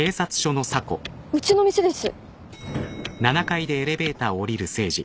うちの店です。